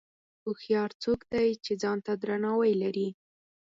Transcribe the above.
هوښیار څوک دی چې ځان ته درناوی لري.